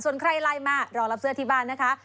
ส่วนใครไลน์มารอรับเสื้อที่บ้านนะคะ